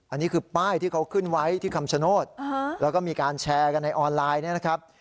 อันนี้คือป้ายที่เขาขึ้นไว้ที่คำชโนธแล้วก็มีการแชร์กันในออนไลน์เนี่ยนะครับ